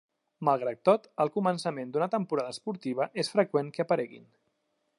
Malgrat tot, al començament d'una temporada esportiva és freqüent que apareguin.